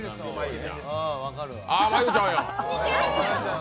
真悠ちゃん。